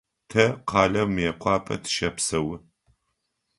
Тэ къалэу Мыекъуапэ тыщэпсэу.